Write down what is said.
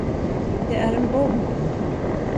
Det är en bomb.